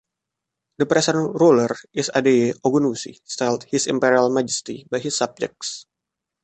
The present ruler is Adeyeye Ogunwusi, styled "His Imperial Majesty" by his subjects.